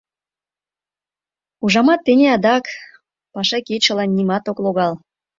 Ужамат, тений адакат пашакечылан нимат ок логал.